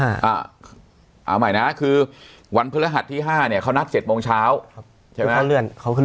อ้าวใหม่นะคือวันพระหัสที่๕เนี่ยเขานัด๗โมงเช้าใช่ไหมนะ